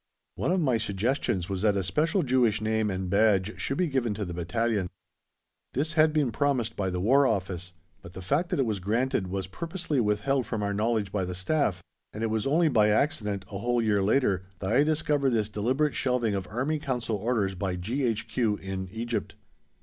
One of my suggestions was that a special Jewish name and badge should be given to the battalion. This had been promised by the War Office, but the fact that it was granted was purposely withheld from our knowledge by the Staff, and it was only by accident, a whole year later, that I discovered this deliberate shelving of Army Council Orders by G.H.Q. in Egypt.